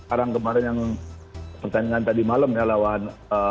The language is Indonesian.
orang kemarin yang pertandingan tadi malam ya lawan